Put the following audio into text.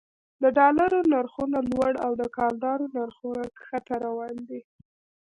د ډالرو نرخونه لوړ او د کلدارو نرخونه ښکته روان دي